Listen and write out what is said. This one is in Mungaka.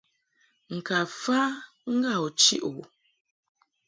Ŋka fa ŋga u chiʼ o.